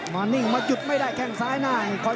นิ่งมาหยุดไม่ได้แข้งซ้ายหน้า